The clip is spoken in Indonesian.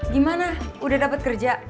gimana udah dapet kerja